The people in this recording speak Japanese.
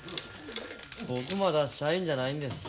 僕まだ社員じゃないんです。